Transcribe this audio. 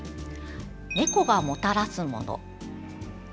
「猫がもたらすもの」。